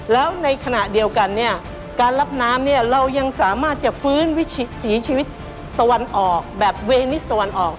แล้วในขณะเดียวกันเนี่ยการรับน้ำเนี่ยเรายังสามารถจะฟื้นวิถีชีวิตตะวันออกแบบเวนิสตะวันออก